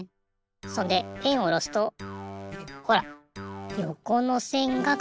そんでペンをおろすとほらよこのせんがかけるの。